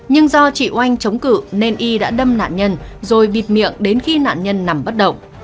nhưng do chị oanh chống cự nên y đã đâm nạn nhân rồi bịt miệng đến khi nạn nhân nằm bất động